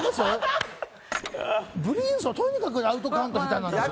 ブリンソンはとにかくアウトカウント下手なんですよ。